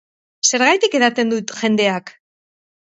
Zergatik edaten du jendeak?